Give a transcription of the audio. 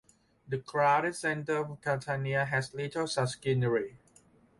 The crowded center of Catania has little such greenery.